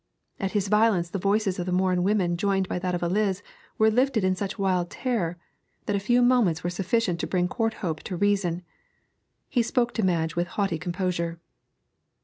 At his violence the voices of the Morin women, joined by that of Eliz, were lifted in such wild terror that a few moments were sufficient to bring Courthope to reason. He spoke to Madge with haughty composure.